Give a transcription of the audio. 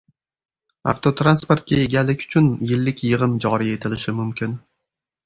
Avtotransportga egalik uchun yillik yig‘im joriy etilishi mumkin